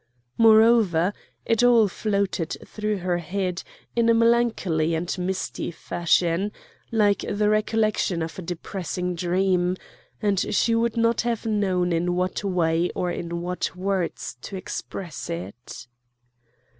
Moreover, it all floated through her head in a melancholy and misty fashion, like the recollection of a depressing dream; and she would not have known in what way or in what words to express it.